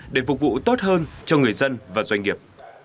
để phục vụ tốt hơn cho người dân và doanh nghiệp